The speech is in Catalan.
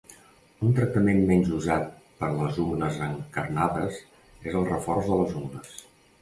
Un tractament menys usat per a les ungles encarnades és el reforç de les ungles.